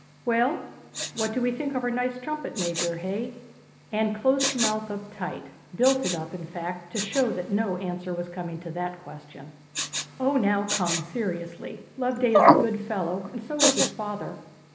'Well, what do we think of our nice trumpet major, hey?' Anne closed her mouth up tight, built it up, in fact, to show that no answer was coming to that question. 'O now, come, seriously, Loveday is a good fellow, and so is his father.'